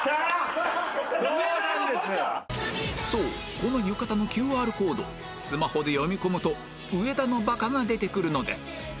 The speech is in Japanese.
そうこの浴衣の ＱＲ コードスマホで読み込むと「上田のバカ」が出てくるのです